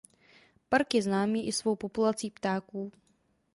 Park je známý i svou populací ptáků.